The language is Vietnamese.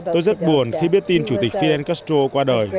tôi rất buồn khi biết tin chủ tịch fidel castro qua đời